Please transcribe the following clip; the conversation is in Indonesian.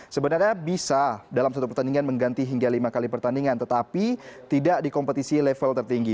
sebenarnya bisa dalam satu pertandingan mengganti hingga lima kali pertandingan tetapi tidak di kompetisi level tertinggi